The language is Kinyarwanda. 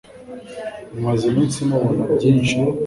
Mumaze iminsi mubona byinshi?